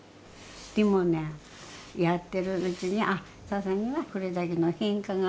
でもねやってるうちにあっ笹にはこれだけの変化があるんだなぁ。